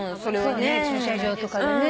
駐車場とかでね。